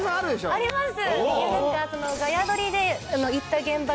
あります！